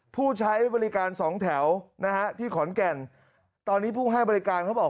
ผู้ใช้บริการสองแถวนะฮะที่ขอนแก่นตอนนี้ผู้ให้บริการเขาบอก